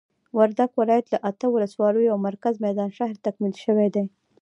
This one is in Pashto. وردګ ولايت له اته ولسوالیو او مرکز میدان شهر تکمیل شوي دي.